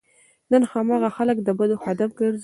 نن هماغه خلک د بدو هدف ګرځي.